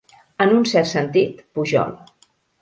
En un cert sentit, pujol.